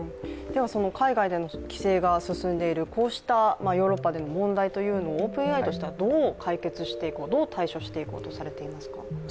海外での規制が進んでいるこうしたヨーロッパでの問題をＯｐｅｎＡＩとしてはどう解決、どう対処していこうとされていますか？